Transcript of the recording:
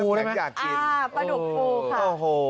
ปลาดุกปูค่ะ